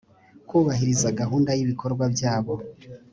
kubahiriza gahunda y’ibikorwa byabo